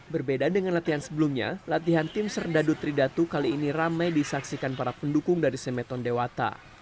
berbeda dengan latihan sebelumnya latihan tim serdadu tridatu kali ini ramai disaksikan para pendukung dari semeton dewata